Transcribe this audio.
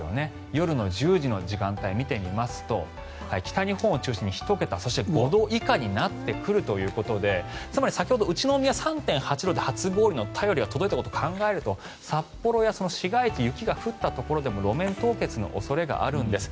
夜の１０時の時間帯を見てみますと北日本を中心に１桁そして、５度以下になってくるということでつまり先ほど宇都宮は３．８度で初氷の便りが届いたことを考えると、札幌や市街地雪が降ったところでも路面凍結の恐れがあるんです。